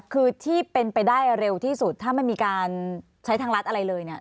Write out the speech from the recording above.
คือที่เป็นไปได้เร็วที่สุดถ้าไม่มีการใช้ทางรัฐอะไรเลยเนี่ย